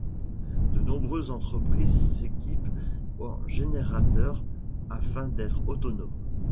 De nombreuses entreprises s'équipent en générateurs afin d'être autonomes.